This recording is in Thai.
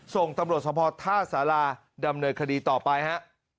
ส่งตำรวจสภท่าสาราดำเนินคดีต่อไปฮะ